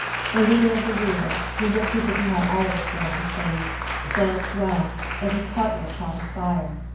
The leader of the reel, who looked as if he had Irish blood in his veins, danced well, and his partner caught his fire.